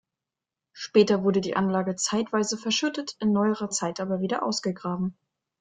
Später wurde die Anlage zeitweise verschüttet, in neuerer Zeit aber wieder ausgegraben.